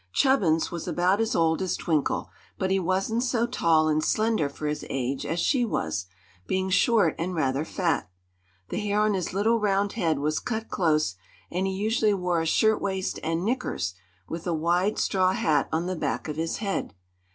Chubbins was about as old as Twinkle; but he wasn't so tall and slender for his age as she was, being short and rather fat. The hair on his little round head was cut close, and he usually wore a shirt waist and "knickers," with a wide straw hat on the back of his head.